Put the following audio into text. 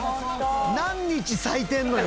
何日割いてるのよ？